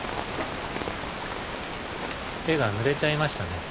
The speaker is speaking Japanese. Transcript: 絵が濡れちゃいましたね。